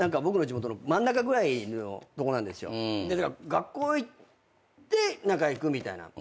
学校行って行くみたいな。